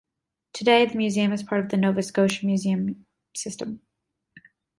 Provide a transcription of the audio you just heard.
Today the museum is part of the Nova Scotia Museum system.